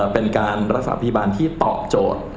เป็นการรักษาพยาบาลที่ตอบโจทย์